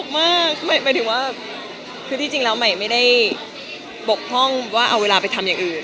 หมายถึงว่าคือที่จริงแล้วใหม่ไม่ได้บกพร่องว่าเอาเวลาไปทำอย่างอื่น